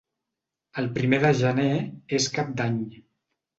El primer de gener és Cap d'Any.